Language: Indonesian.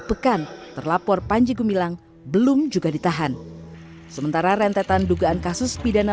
pekan terlapor panji gumilang belum juga ditahan sementara rentetan dugaan kasus pidana